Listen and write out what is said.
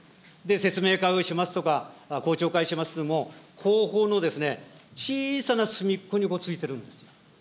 説明会をしますとか、公聴会しますっていっても、広報の小さな隅っこについてるんです。